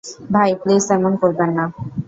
ভাই, প্লিজ এমন করবেন না।